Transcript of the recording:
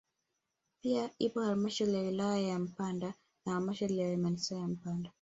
Pia ipo halmashauri ya wilaya ya Mpanda na halmashauri ya manispaa ya Mpanda